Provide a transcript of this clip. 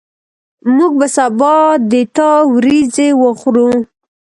موږ به سبا د تا وریځي وخورو